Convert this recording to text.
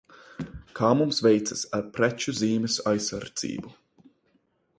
Kā mums veicas ar preču zīmes aizsardzību?